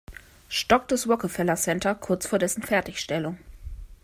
Stock des Rockefeller-Center, kurz vor dessen Fertigstellung.